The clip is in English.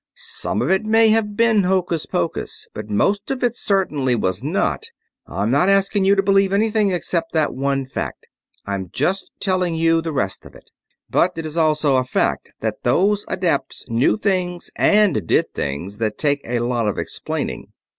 "Some of it may have been hocus pocus, but most of it certainly was not. I'm not asking you to believe anything except that one fact; I'm just telling you the rest of it. But it is also a fact that those adepts knew things and did things that take a lot of explaining.